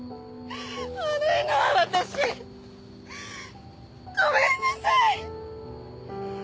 悪いのは私ごめんなさい！